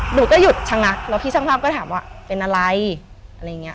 หนูก็หยุดชะงักแล้วพี่ช่างภาพก็ถามว่าเป็นอะไรอะไรอย่างเงี้